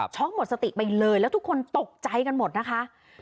หมดสติไปเลยแล้วทุกคนตกใจกันหมดนะคะ